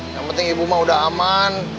yang penting ibu mah udah aman